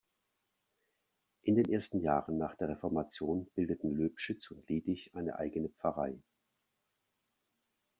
In den ersten Jahren nach der Reformation bildeten Löbschütz und Lindig eine eigene Pfarrei.